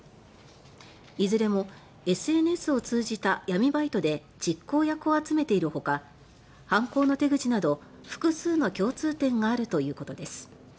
いずれもＳＮＳを通じた闇バイトで実行役を集めているほか犯行の手口など複数の共通点があるということです。